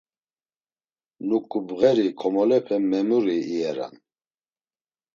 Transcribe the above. Nuǩu bğeri komolepe memuri iyeran.